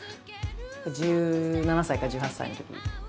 １７歳か１８歳のとき。